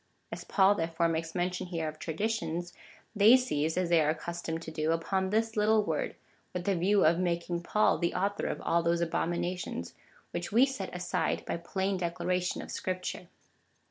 As Paul, therefore, makes mention here of traditions, they seize, as tliey are accustomed to do, uj)on this little word, with the view of making Paul the author of all those abomina tions, whicli we set aside by plain declaration of Scripture.